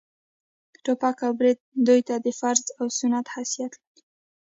ټوپک او برېت دوى ته د فرض و سنت حيثيت لري.